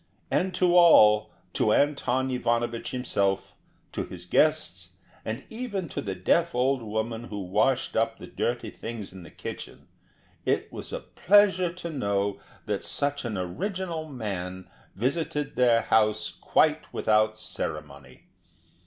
And to all, to Anton Ivanovich himself, to his guests, and even to the deaf old woman who washed up the dirty things in the kitchen, it was a pleasure to know that such an original man visited their house quite without ceremony.